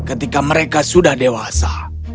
ketika mereka sudah dewasa